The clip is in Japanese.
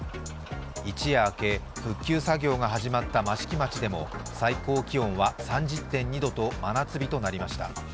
一夜明け、復旧作業が始まった益城町でも最高気温は３０．２度と真夏日となりました。